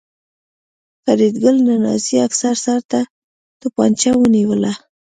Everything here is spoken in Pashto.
فریدګل د نازي افسر سر ته توپانچه ونیوله